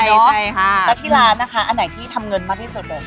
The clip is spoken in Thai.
ใช่ค่ะแล้วที่ร้านนะคะอันไหนที่ทำเงินมากที่สุด